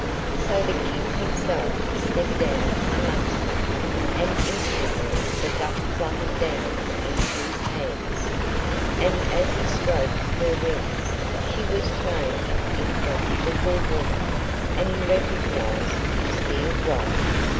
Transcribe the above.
So the King himself stepped down amongst them, and instantly the duck fluttered down into his hands. And as he stroked her wings she was changed into a beautiful woman, and he recognised his dear wife.